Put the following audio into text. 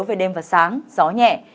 về đêm và sáng gió nhẹ